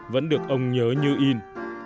vẫn được ông nhớ như in